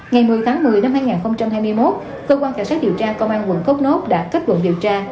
ngày một mươi tháng một mươi năm hai nghìn hai mươi một cơ quan cả sát điều tra công an huyện cốc nốt đã kết luận điều tra